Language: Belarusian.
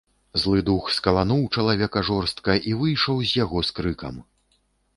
Злы дух скалануў чалавека жорстка і выйшаў з яго з крыкам.